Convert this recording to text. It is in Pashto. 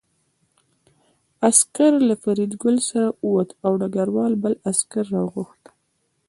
عسکر له فریدګل سره ووت او ډګروال بل عسکر راوغوښت